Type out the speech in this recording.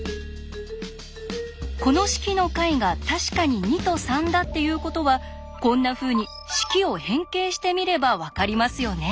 この式の解が確かに２と３だっていうことはこんなふうに式を変形してみれば分かりますよね？